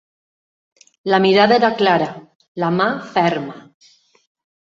La mirada era clara, la mà ferma.